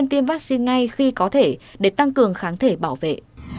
tiêm vaccine ngay khi có thể để tăng cường kháng thể bảo vệ